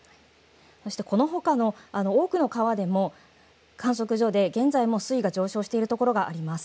そしてこのほかの多くの川でも観測所で現在も水位が上昇しているところがあります。